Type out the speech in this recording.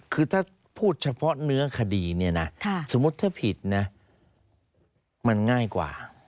คือถ้าพูดเฉพาะเนื้อคดีเนี่ยนะสมมุติถ้าผิดนะมันง่ายกว่า